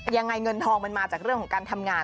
ยังไงเงินทองมันมาจากเรื่องของการทำงาน